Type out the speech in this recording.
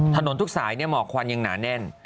ถนนทุกสายหมอกควันยังหนาแน่น